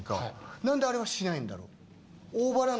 何であれはしないんだろう？